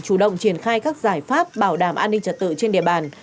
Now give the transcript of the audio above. chủ động triển khai các giải pháp bảo đảm an ninh trật tự trên địa bàn